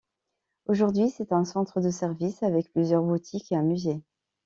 Aujourd'hui, c'est un centre de service avec plusieurs boutiques et un musée.